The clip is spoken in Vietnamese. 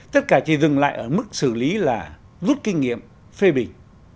tất cả chỉ dừng lại ở mức xử lý là rút kinh nghiệm phê bình